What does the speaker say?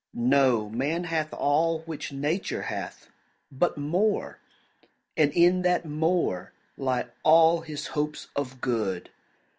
Know, man hath all which Nature hath, but more, And in that more lie all his hopes of good.